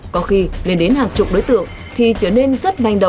có khi lên đến hàng chục đối tượng thì trở nên rất manh động